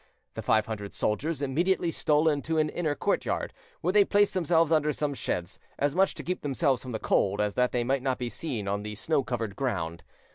The five hundred soldiers immediately stole into an inner courtyard, where they placed themselves under some sheds, as much to keep themselves from the cold as that they might not be seen on the snow covered ground.